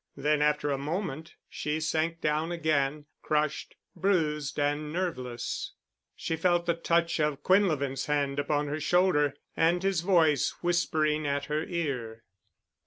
Then after a moment, she sank down again, crushed, bruised and nerveless. She felt the touch of Quinlevin's hand upon her shoulder and his voice whispering at her ear.